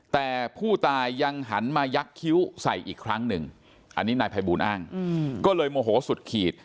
แต่ผู้ตายยังหันมายักษ์คิ้วใส่อีกครั้งหนึ่งอันนี้นายภัยบูลอ้างก็เลยโมโหสุดขีด